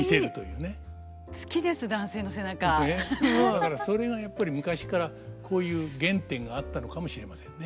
だからそれがやっぱり昔っからこういう原点があったのかもしれませんね